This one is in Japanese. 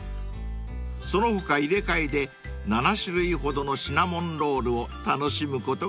［その他入れ替えで７種類ほどのシナモンロールを楽しむことができます］